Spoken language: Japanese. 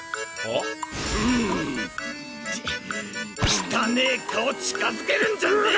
汚ねぇ顔近づけるんじゃねぇ！